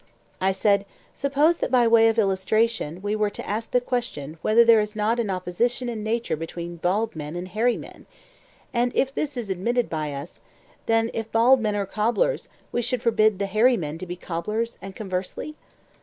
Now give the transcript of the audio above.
I said: Suppose that by way of illustration we were to ask the question whether there is not an opposition in nature between bald men and hairy men; and if this is admitted by us, then, if bald men are cobblers, we should forbid the hairy men to be cobblers, and conversely?